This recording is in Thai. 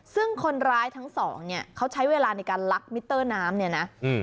ซึ่งคนร้ายทั้งสองเนี่ยเขาใช้เวลาในการลักมิเตอร์น้ำเนี่ยนะ